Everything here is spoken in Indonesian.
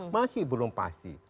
masih belum pasti